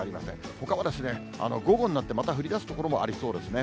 ほかはですね、午後になって、また降りだす所もありそうですね。